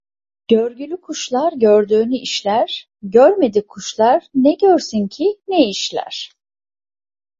Görgülü kuşlar gördüğünü işler, görmedik kuşlar ne görsün ki ne işler?